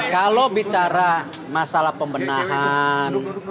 kalau bicara masalah pembenahan